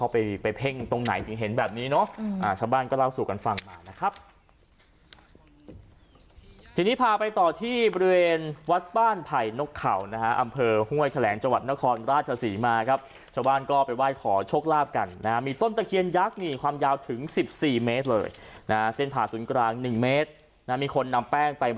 ไปเพ่งตรงไหนถึงเห็นแบบนี้เนอะอ่าชาวบ้านก็เล่าสู่กันฟังมานะครับทีนี้พาไปต่อที่บริเวณวัดบ้านไผ่นกเข่านะฮะอำเภอห้วยแฉลงจังหวัดนครราชศรีมาครับชาวบ้านก็ไปไหว้ขอชกลาบกันนะฮะมีต้นตะเคียนยักษ์หนี่ความยาวถึงสิบสี่เมตรเลยนะฮะเส้นผ่าสุนกลางหนึ่งเมตรนะฮะมีคนนำแป